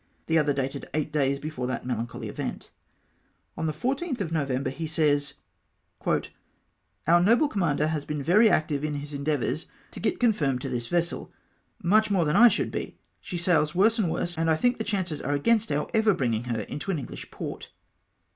The other dated eight days before that melancholy event. On the 14th of November, he says, — "Our noble commander has been very active in his endeavours to get confirmed to this vessel, much more than I should be : she sails worse and worse, and I think the chances are against our ever bringing her into an English port."